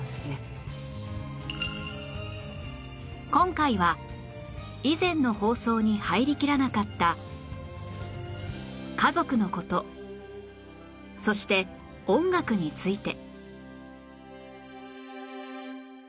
今回は以前の放送に入りきらなかった家族の事そして音楽について